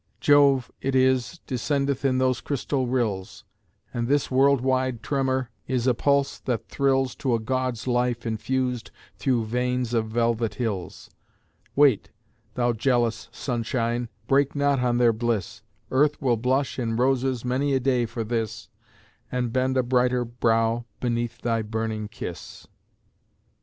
Jove, it is, descendeth In those crystal rills; And this world wide tremor Is a pulse that thrills To a god's life infused through veins of velvet hills. Wait, thou jealous sunshine, Break not on their bliss; Earth will blush in roses Many a day for this, And bend a brighter brow beneath thy burning kiss.